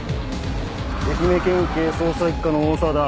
愛媛県警捜査一課の大澤だ。